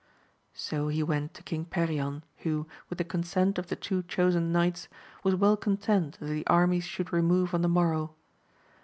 So he went to King Perion, who, with the consent of the two chosen knights, was well content that the armies should remove on the morrow.